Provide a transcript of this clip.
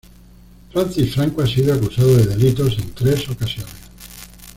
Francis Franco ha sido acusado de delitos en tres ocasiones.